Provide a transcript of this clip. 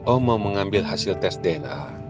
om mau mengambil hasil tes dna